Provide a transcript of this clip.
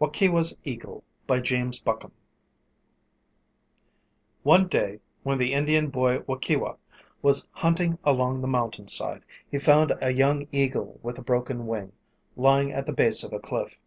WAUKEWA'S EAGLE BY JAMES BUCKHAM ONE day, when the Indian boy Waukewa was hunting along the mountain side, he found a young eagle with a broken wing, lying at the base of a cliff.